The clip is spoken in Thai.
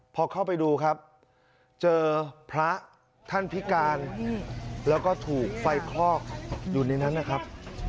พอเข้าไปดูครับเจอพระท่านพิการแล้วก็ถูกไฟคลอกอยู่ในนั้นนะครับ